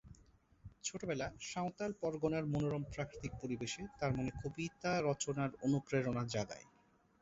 ছোটবেলা সাঁওতাল পরগণার মনোরম প্রাকৃতিক পরিবেশে তার মনে কবিতা রচনার অনুপ্রেরণা জাগায়।